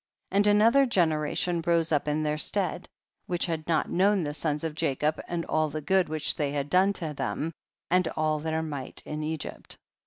5. And another generation rose up in their stead, which had not known the sons of Jacob and all the good which they had done to them, and all their might in Egypt.